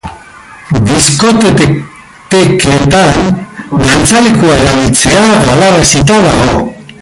Diskoteketan dantzalekua erabiltzea galarazita dago.